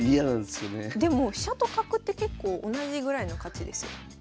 でも飛車と角って結構同じぐらいの価値ですよ。